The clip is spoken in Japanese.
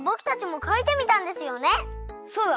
そうだ。